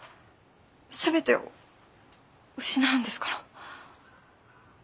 全てを失うんですから。